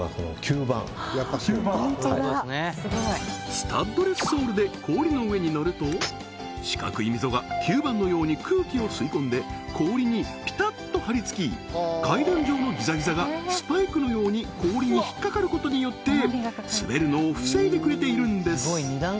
スタッドレスソールで氷の上に乗ると四角い溝が吸盤のように空気を吸い込んで氷にピタッと張り付き階段状のギザギザがスパイクのように氷にひっかかることによって滑るのを防いでくれているんです